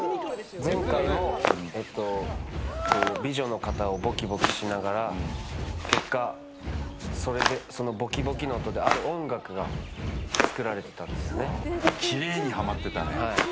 前回も美女の方をボキボキしながら結果、そのボキボキの音である音楽がきれいにはまってたね。